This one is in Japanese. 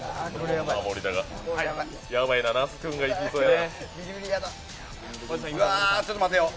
やばいな、那須君がいきそうやな。